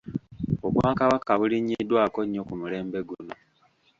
Obwakabaka bulinnyiddwako nnyo ku mulembe guno.